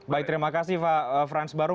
baik terima kasih pak frans baru